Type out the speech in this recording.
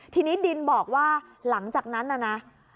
ทีนี้ดินบอกว่าหลังจากนั้นน่ะนะ